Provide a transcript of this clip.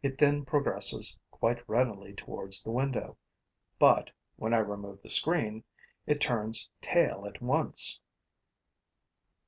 It then progresses quite readily towards the window; but, when I remove the screen, it turns tail at once.